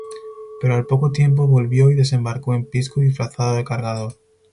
Pero al poco tiempo volvió y desembarcó en Pisco disfrazado de cargador.